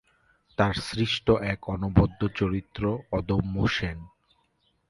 তার সৃষ্ট এক অনবদ্য চরিত্র অদম্য সেন।